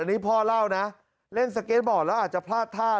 นี่พ่อเล่านะเล่นสเก็ตบอร์ดแล้วอาจจะพลาดท่า